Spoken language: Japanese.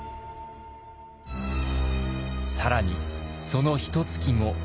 更にそのひとつき後。